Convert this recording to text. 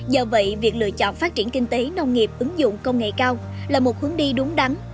do vậy việc lựa chọn phát triển kinh tế nông nghiệp ứng dụng công nghệ cao là một hướng đi đúng đắn